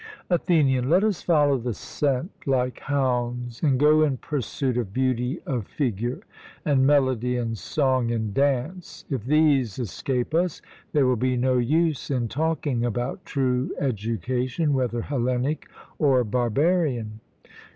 ATHENIAN: Let us follow the scent like hounds, and go in pursuit of beauty of figure, and melody, and song, and dance; if these escape us, there will be no use in talking about true education, whether Hellenic or barbarian.